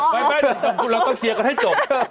ไม่เราต้องเคลียร์กันให้จบ